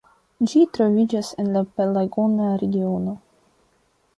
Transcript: Ĝi troviĝas en la Pelagona regiono.